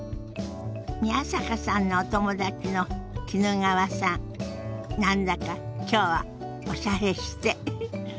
宮坂さんのお友達の衣川さん何だか今日はおしゃれしてフフッ。